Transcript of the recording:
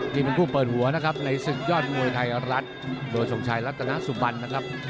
นี่เป็นคู่เปิดหัวนะครับในศึกยอดมวยไทยรัฐโดยทรงชัยรัตนสุบันนะครับ